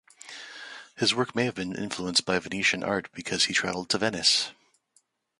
His work may have been influenced by Venetian art because he traveled to Venice.